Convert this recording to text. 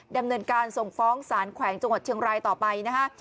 ดำเนินการส่งฟ้องสารแขวงจังหวัดเชียงรายต่อไปนะฮะ